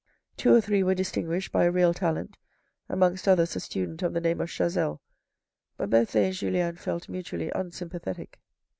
Two or three were distinguished by a real talent, amongst others a student of the name of Chazel, but both they and Julien felt mutually unsympathetic.